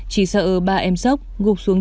chỉ sợ ba em sốc gục xuống